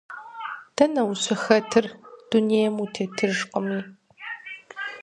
Дэнэ ущыхэтыр, дунейм утетыжкъыми.